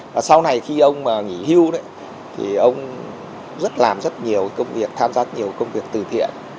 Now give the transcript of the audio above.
và sau này khi ông nghỉ hưu đấy thì ông rất làm rất nhiều công việc tham gia nhiều công việc từ thiện